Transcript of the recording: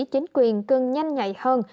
chính quyền cần nhanh nhạy hơn